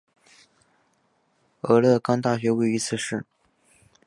俄勒冈大学位于此市。